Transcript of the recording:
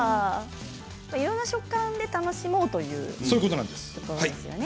いろんな食感で楽しもうということですね。